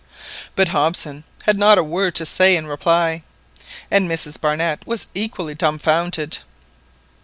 But Hobson had not a word to say in reply, and Mrs Barnett was equally dumfounded.